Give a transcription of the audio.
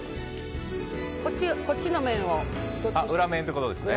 こっちの面を。